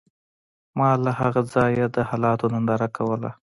ما له هغه ځایه د حالاتو ننداره کوله